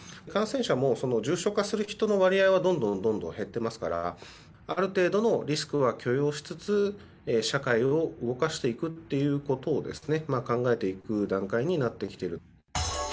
感染者も重症化する人の割合はどんどんどんどん減ってますから、ある程度のリスクは許容しつつ、社会を動かしていくっていうことを考えていく段階になっている。